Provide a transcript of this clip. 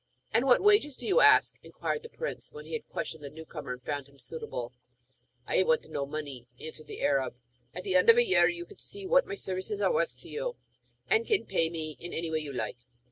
'And what wages do you ask?' inquired the prince, when he had questioned the new comer and found him suitable. 'I do not want money,' answered the Arab; 'at the end of a year you can see what my services are worth to you, and can pay me in any way you like.'